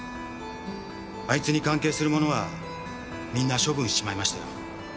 あいつに関係するものはみんな処分しちまいましたよ。